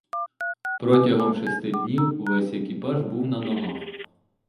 Протягом шести днів увесь екіпаж був на ногах.